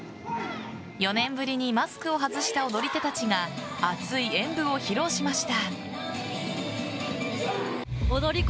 ４年ぶりにマスクを外した踊り手たちが熱い演舞を披露しました。